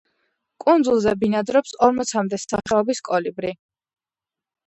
კუნძულზე ბინადრობს ორმოცამდე სახეობის კოლიბრი.